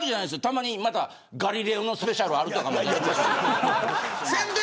たまに、ガリレオのスペシャルあるとか。